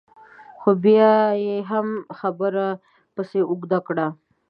خو بیا به یې هم خبره پسې اوږده کړه.